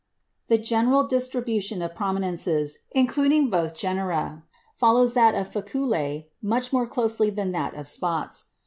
The general distribution of prominences, including both genera, follows that of faculæ much more closely than that of spots.